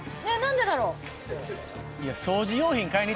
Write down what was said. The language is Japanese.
ねえ何でだろう？